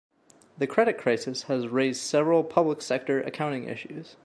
The credit crisis has raised several public sector accounting issues.